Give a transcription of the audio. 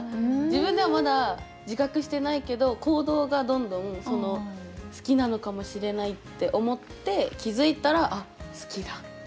自分ではまだ自覚してないけど行動がどんどん好きなのかもしれないって思って気付いたらあっ好きだ。